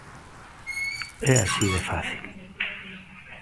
É así de fácil.